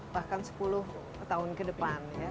bahkan sepuluh tahun ke depan ya